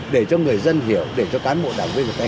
để cho người dân hiểu để cho cán bộ đảng viên